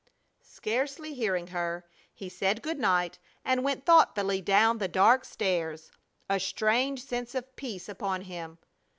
Scarcely hearing her, he said good night and went thoughtfully down the dark stairs, a strange sense of peace upon him.